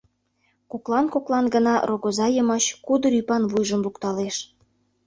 коклан-коклан гына рогоза йымач кудыр ӱпан вуйжым лукталеш.